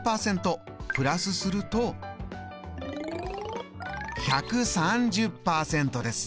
プラスすると１３０％です。